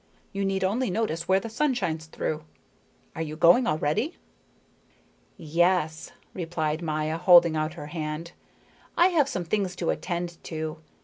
You need only notice where the sun shines through. Are you going already?" "Yes," replied Maya, holding out her hand. "I have some things to attend to.